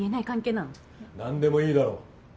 なんでもいいだろ。